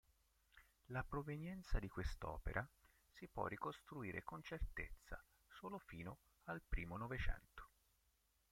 La provenienza di quest'opera si può ricostruire con certezza solo fino al primo Novecento.